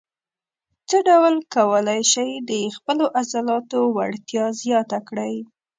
څه ډول کولای شئ د خپلو عضلاتو وړتیا زیاته کړئ.